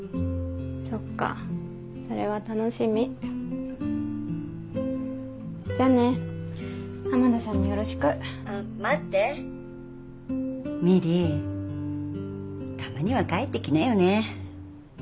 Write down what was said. そっかそれは楽しみじゃあね浜田さんによろしくあっ待って美璃たまには帰ってきなよね